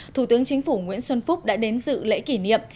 thủ tướng chính phủ nguyễn xuân phúc đã đến dự lễ kỷ niệm